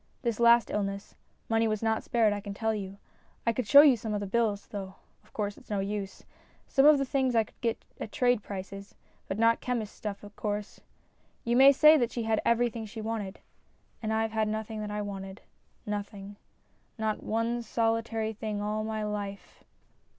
This last illness, money was not spared I can tell you. I could show you the bills, though of course it's no use. Some of the things I could get at trade prices, but not chemist's stuff, of course. You may say that she had every thing she wanted. And I've had nothing that I wanted nothing. Not one solitary thing all my life."